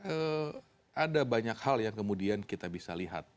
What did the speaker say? ada banyak hal yang kemudian kita bisa lihat